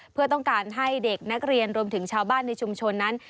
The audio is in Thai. เพื่อต้องการให้เด็กนักเรียนรวมถึงชาวบ้านในชุมชนนั้น